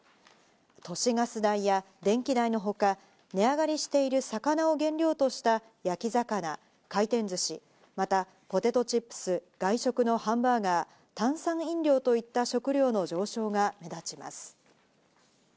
都市ガス代や電気代のほか、値上がりしている魚を原料とした焼き魚、回転ずし、また、ポテトチップス、外食のハンバーガー、炭酸飲料といった食料の上昇が目立ちます。